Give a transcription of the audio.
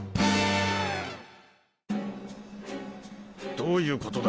どういうことだ？